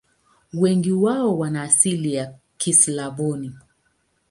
Wengi wao wana asili ya Kislavoni.